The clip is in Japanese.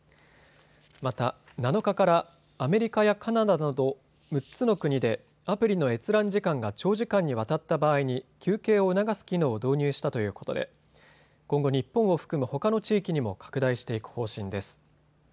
また、７日からアメリカやカナダなど６つの国でアプリの閲覧時間が長時間にわたった場合に休憩を促す機能を導入したということで今後、日本を含むほかの地域にも拡大していく方針です。